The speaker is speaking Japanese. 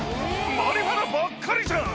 マリフアナばっかりじゃん！